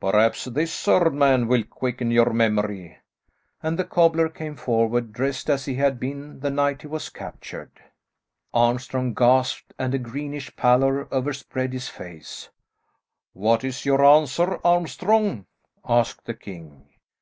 "Perhaps this third man will quicken your memory," and the cobbler came forward, dressed as he had been the night he was captured. Armstrong gasped, and a greenish pallor overspread his face. [Illustration: "THE FORTY ONE TREES BORE THEIR BURDEN."] "What is your answer, Armstrong?" asked the king.